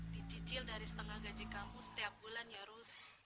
dicicil dari setengah gaji kamu setiap bulan ya rus